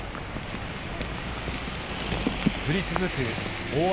降り続く大雨。